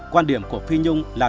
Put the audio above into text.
quan điểm của phi nhung là